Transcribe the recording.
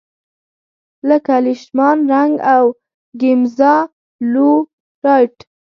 لکه لیشمان رنګ او ګیمزا لو رایټ.